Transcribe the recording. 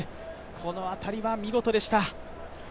この当たりは見事でした。